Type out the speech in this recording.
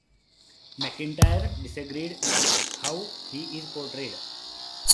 McIntyre disagreed with how he is portrayed.